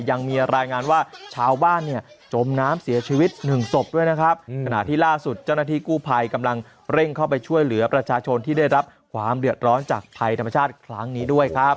ยังมีรายงานว่าชาวบ้านเนี่ยจมน้ำเสียชีวิตหนึ่งศพด้วยนะครับขณะที่ล่าสุดเจ้าหน้าที่กู้ภัยกำลังเร่งเข้าไปช่วยเหลือประชาชนที่ได้รับความเดือดร้อนจากภัยธรรมชาติครั้งนี้ด้วยครับ